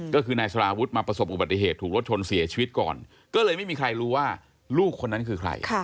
ก็คือนายสารวุฒิมาประสบอุบัติเหตุถูกรถชนเสียชีวิตก่อนก็เลยไม่มีใครรู้ว่าลูกคนนั้นคือใคร